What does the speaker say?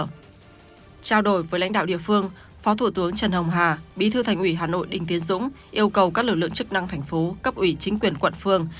trao đổi với lãnh đạo địa phương phó thủ tướng trần hồng hà bí thư thành ủy hà nội đinh tiến dũng yêu cầu các lực lượng chức năng thành phố cấp ủy chính quyền quận phương